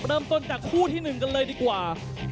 เริ่มต้นจากคู่ที่๑กันเลยดีกว่า